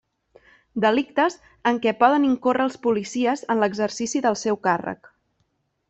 Delictes en què poden incórrer els policies en l'exercici del seu càrrec.